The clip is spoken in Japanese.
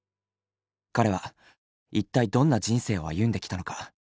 彼は一体どんな人生を歩んできたのか。